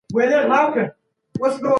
د بهرنیو پالیسي ارزونه منظم نه ده.